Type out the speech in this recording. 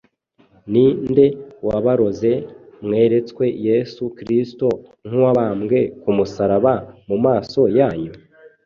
ni nde wabaroze, mweretswe Yesu Kristo nk’ubambwe ku musaraba mu maso yanyu?